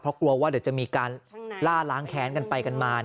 เพราะกลัวว่าเดี๋ยวจะมีการล่าล้างแค้นกันไปกันมา